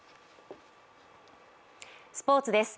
スポーツです。